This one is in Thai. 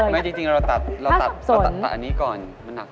ไม่จริงเราตัดอันนี้ก่อนมันหนักสุด